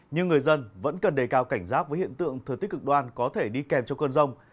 nhưng người dân vẫn cần đề cao cảnh giác với hiện tượng thừa tích cực đoan có thể đi kèm cho cơn rông